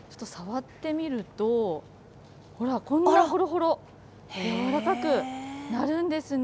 ちょっと触ってみると、ほら、こんなほろほろ、やわらかくなるんですね。